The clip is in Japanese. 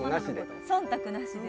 忖度なしで。